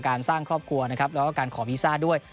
สร้างครอบครัวนะครับแล้วก็การขอวีซ่าด้วย